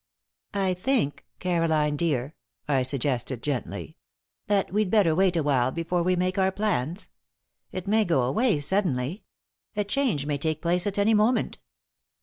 "I think, Caroline, dear," I suggested, gently, "that we'd better wait awhile before we make our plans. It may go away suddenly. A change may take place at any moment."